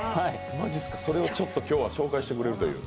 それを今日は紹介してくれるという。